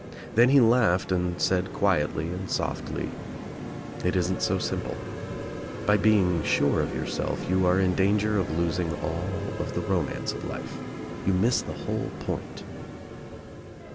Then he laughed and said quietly and softly, "It isn't so simple. By being sure of yourself you are In danger of losing all of the romance of life. You miss the whole point.